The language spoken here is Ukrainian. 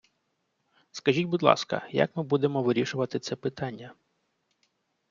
Скажіть, будь ласка, як ми будемо вирішувати це питання?